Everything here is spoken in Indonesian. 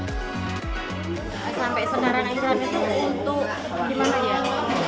sampai sekarang mukanya untuk gimana ya